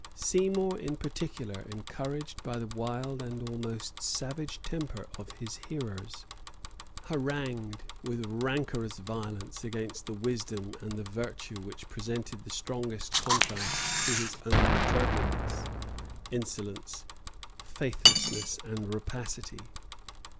Seymour, in particular, encouraged by the wild and almost savage temper of his hearers, harangued with rancorous violence against the wisdom and the virtue which presented the strongest contrast to his own turbulence, insolence, faithlessness, and rapacity.